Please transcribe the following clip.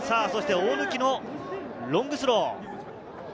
大貫のロングスロー。